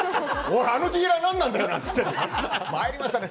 あのディーラー、何なんだよ！って言って、まいりましたね。